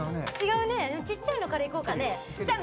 ちっちゃいのからいこうかね。